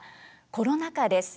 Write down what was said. コロナ禍です。